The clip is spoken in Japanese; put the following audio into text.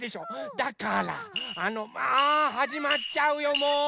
だからあのああはじまっちゃうよもう！